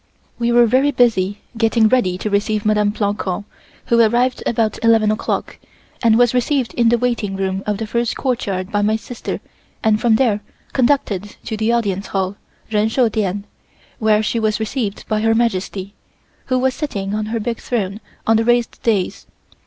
We were very busy getting ready to receive Mdme. Plancon, who arrived about eleven o'clock and was received in the waiting room of the first courtyard by my sister and from there conducted to the audience hall, Ren Shou Dien, where she was received by Her Majesty, who was sitting on her big throne on the raised dais.